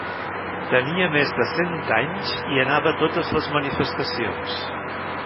Tenia més de cent anys i anava a totes les manifestacions.